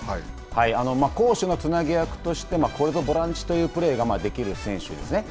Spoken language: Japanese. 攻守のつなぎ役としてこれぞボランチというプレーができる選手ですね。